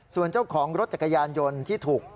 ส่วนเจ้าของรถจักรยานยนต์ที่ถูก